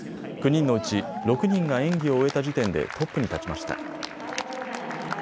９人のうち６人が演技を終えた時点でトップに立ちました。